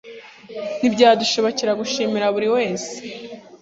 ntibyadushobokera gushimira buri wese